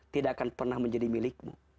tidak akan pernah menjadi milikmu